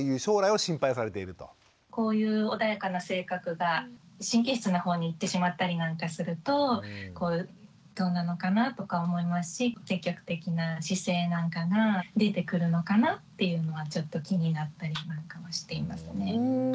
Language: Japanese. こういう穏やかな性格が神経質な方にいってしまったりなんかするとどうなのかなとか思いますし積極的な姿勢なんかが出てくるのかなっていうのがちょっと気になったりなんかはしていますね。